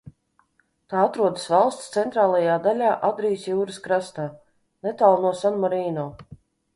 Tā atrodas valsts centrālajā daļā Adrijas jūras krastā, netālu no Sanmarīno.